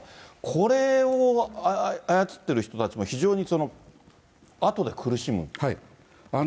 これを操ってる人たちも、非常にあとで苦しむ？